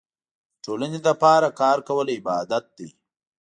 د ټولنې لپاره کار کول عبادت دی.